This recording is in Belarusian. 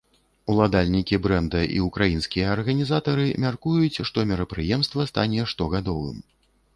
Уладальнікі брэнда і ўкраінскія арганізатары мяркуюць, што мерапрыемства стане штогадовым.